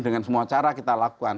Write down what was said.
dengan semua cara kita lakukan